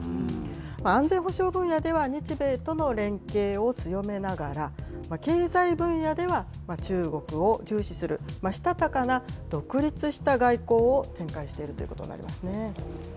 安全保障分野では、日米との連携を強めながら、経済分野では中国を重視する、したたかな独立した外交を展開しているということになりますね。